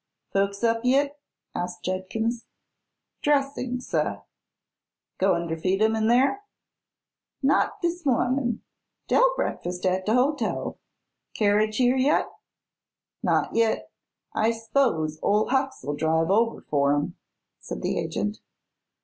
"Folks up yit?" asked Judkins. "Dressing, seh." "Goin' ter feed 'em in there?" "Not dis mohnin'. Dey'll breakfas' at de hotel. Carriage here yit?" "Not yit. I s'pose ol' Hucks'll drive over for 'em," said the agent.